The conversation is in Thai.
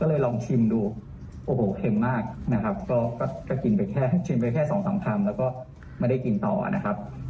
ก็เลยลองชิมดูโอ้โหเค็มมากนะครับก็กินไปแค่ชิมไปแค่สองสามคำแล้วก็ไม่ได้กินต่อนะครับ